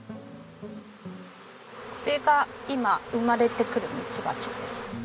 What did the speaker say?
これが今生まれてくるミツバチです。